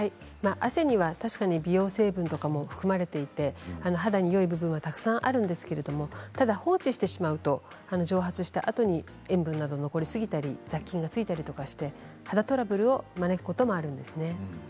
汗には確かに美容成分とかも含まれていて肌によい部分はたくさんあるんですけれども放置してしまうと蒸発したあとに塩分などが残りすぎて雑菌がついたりして肌トラブルを招くこともあるんですね。